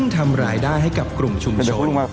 ทำรายได้ให้กับกลุ่มชุมชน